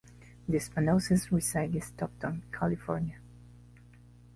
The Spanoses reside in Stockton, California.